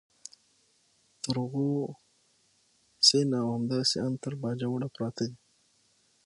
تر غو سین او همداسې ان تر باجوړه پراته دي.